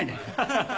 ハハハ。